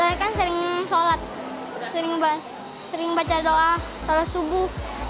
saya kan sering sholat sering baca doa kalau subuh